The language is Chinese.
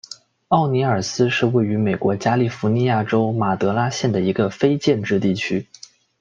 奥尼尔斯是位于美国加利福尼亚州马德拉县的一个非建制地区。